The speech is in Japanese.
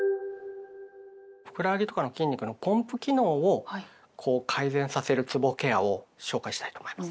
ふくらはぎとかの筋肉のポンプ機能をこう改善させるつぼケアを紹介したいと思います。